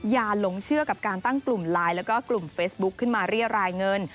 หลงเชื่อกับการตั้งกลุ่มไลน์แล้วก็กลุ่มเฟซบุ๊คขึ้นมาเรียรายเงิน